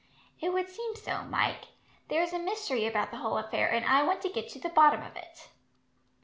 "It would seem so, Mike. There is a mystery about the whole affair, and I want to get to the bottom of it."